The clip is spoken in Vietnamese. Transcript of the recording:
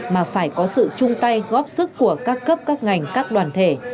mà phải có sự chung tay góp sức của các cấp các ngành các đoàn thể